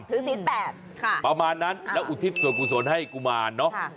ถือซีสแปดค่ะประมาณนั้นแล้วอุทิศส่วนให้กุมารเนอะ